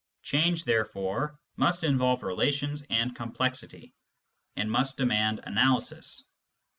Change, therefore, must involve relations and complexity, and must demand analysis.